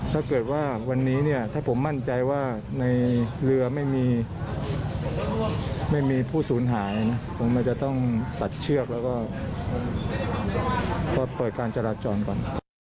เปิดการจรัจจรก่อน